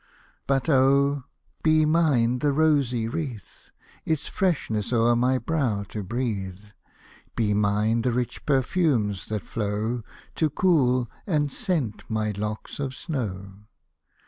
But oh ! be mine the rosy wreath, Its freshness o'er my brow to breathe ; Be mine the rich perfumes that flow, To cool and scent my locks of snow.